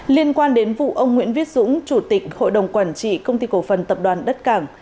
liên quan đến vụ ông nguyễn viết dũng chủ tịch hội đồng quản trị công ty cổ phần tập đoàn đất cảng